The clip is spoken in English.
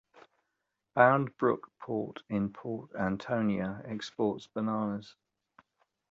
Boundbrook Port in Port Antonio exports bananas.